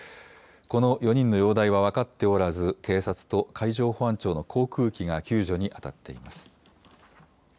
この４人の容体は分かっておらず、警察と海上保安庁の航空機が救助に当たっています。